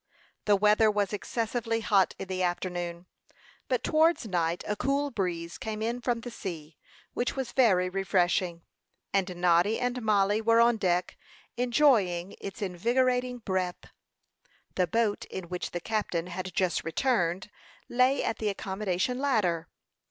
The weather was excessively hot in the afternoon, but towards night a cool breeze came in from the sea, which was very refreshing; and Noddy and Mollie were on deck, enjoying its invigorating breath. The boat in which the captain had just returned lay at the accommodation ladder.